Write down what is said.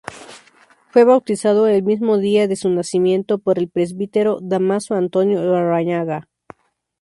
Fue bautizado el mismo día de su nacimiento por el Presbítero Dámaso Antonio Larrañaga.